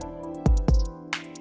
hăm đầu um